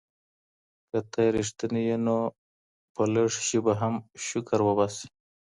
که ته رښتینی یې نو په لږ شي به هم شکر وباسې.